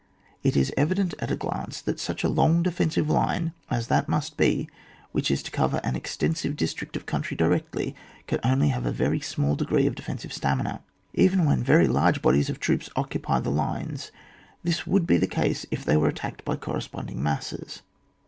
It is evident at a glance that such a long defensive line as that must be, which is to cover an extensive district of country directly, can only have a very small degree of defensive stamina. Even when very large bodies of troops occupy the lines this would be the case if they were attacked by corresponding masses.